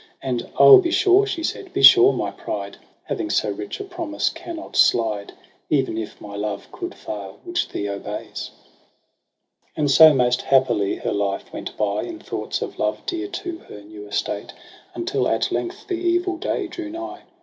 And ' O be sure,' she said, ' be sure, my pride Having so rich a promise cannot slide. Even if my love coud fail which thee obeys.' ao And so most happily her life went by. In thoughts of love dear to her new estate^ Until at length the evil day drew nigh.